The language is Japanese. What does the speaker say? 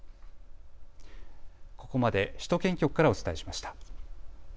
ここまで首都圏局からお伝えしました。